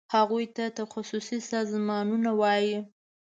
هغوی ته تخصصي سازمانونه وایي.